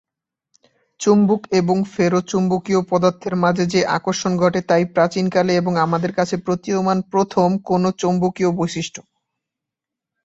চুম্বক এবং ফেরোচৌম্বকীয় পদার্থের মাঝে যে আকর্ষণ ঘটে তাই প্রাচীন কালে এবং আমাদের কাছে প্রতীয়মান প্রথম কোনো চৌম্বকীয় বৈশিষ্ট্য।